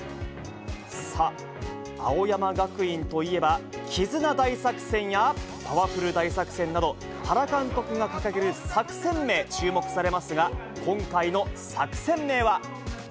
さあ、青山学院といえば、絆大作戦や、パワフル大作戦など、原監督が掲げる作戦名、注目されますが、今回の作戦名は。